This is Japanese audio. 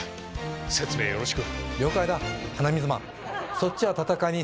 説明よろしく。